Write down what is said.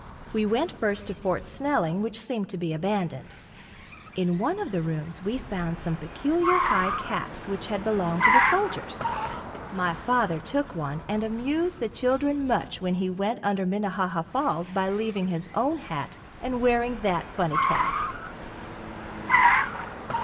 We went first to Fort Snelling which seemed to be abandoned. In one of the rooms we found some peculiar high caps which had belonged to the soldiers. My father took one and amused the children much when he went under Minnehaha Falls by leaving his own hat and wearing that funny cap.